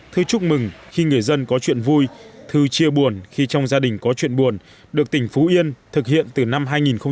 thư chúc mừng khi người dân có chuyện vui thư chia buồn khi trong gia đình có chuyện buồn được tỉnh phú yên thực hiện từ năm hai nghìn một mươi